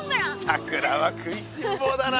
さくらは食いしん坊だな！